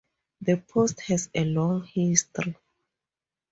The post has a long history.